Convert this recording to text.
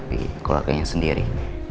tetap menghadapi keluarganya sendiri